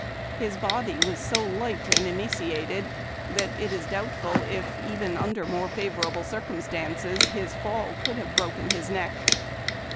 His body was so light and emaciated that it is doubtful if, even under more favorable circumstances, his fall could have broken his neck.